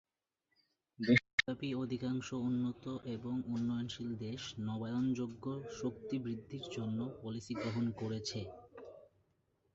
বিশ্বব্যাপী অধিকাংশ উন্নত এবং উন্নয়নশীল দেশ নবায়নযোগ্য শক্তি বৃদ্ধির জন্য পলিসি গ্রহণ করেছে।